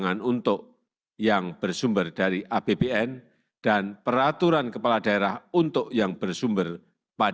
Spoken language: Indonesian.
ketentuan lebih lanjut mengenai teknis pemberian thr dan gaji ke tiga belas ini